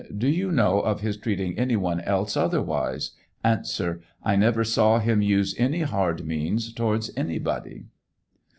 Do you know of his treating any one else otherwise ? A. I never saw him use any hard means towards anybody.